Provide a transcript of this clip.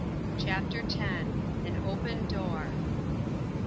CHAPTER X. AN OPEN DOOR.